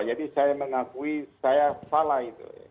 jadi saya mengakui saya salah itu